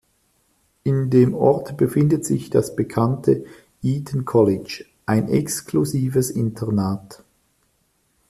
In dem Ort befindet sich das bekannte Eton College, ein exklusives Internat.